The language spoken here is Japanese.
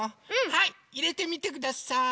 はいいれてみてください！